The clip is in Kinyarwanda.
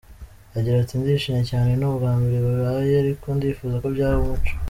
Agira ati “Ndishimye cyane, ni ubwa mbere bibaye ariko ndifuza ko byaba umuco.